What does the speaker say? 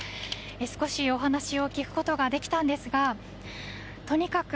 少しお話を聞くことができたんですがとにかく